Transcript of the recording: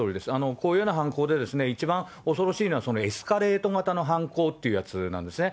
こういうふうな犯行で、一番恐ろしいのは、そのエスカレート型の犯行っていうやつなんですね。